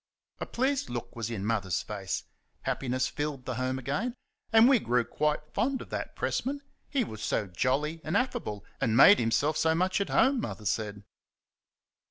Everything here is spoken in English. A pleased look was in Mother's face; happiness filled the home again, and we grew quite fond of that pressman he was so jolly and affable, and made himself so much at home, Mother said.